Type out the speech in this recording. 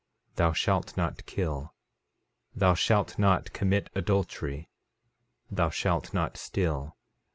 13:21 Thou shalt not kill. 13:22 Thou shalt not commit adultery. Thou shalt not steal.